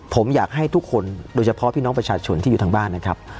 ผมอยากให้ทุกคนโดยเฉพาะพี่น้องประชาชนที่อยู่ทางบ้านนะครับ